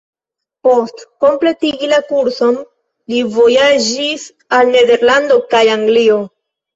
Post kompletigi la kurson, li vojaĝis al Nederlando kaj Anglio.